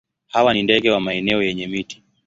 Hawa ni ndege wa maeneo yenye miti.